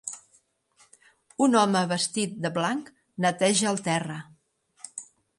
Un home vestit de blanc neteja el terra.